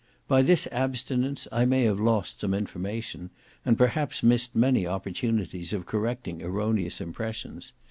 By this abstinence I may have lost some information, and perhaps missed many opportunities of correcting erroneous impressions.